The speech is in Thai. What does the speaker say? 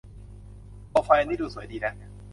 โคมไฟอันนี้ดูสวยดีนะ